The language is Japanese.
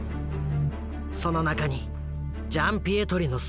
その中にジャンピエトリの姿もあった。